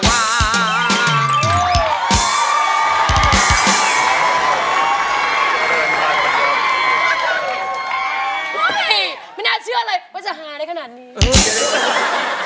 ไม่น่าเชื่อเลยว่าจะฮาได้ขนาดนี้